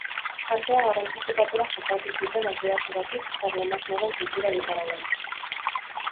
Arteak garrantzizko papera jokatu zuten hasiera-hasieratik Karlomagnoren kultura egitarauan.